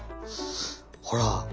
ほら！